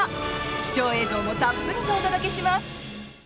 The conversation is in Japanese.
貴重映像もたっぷりとお届けします。